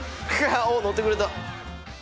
おっのってくれた。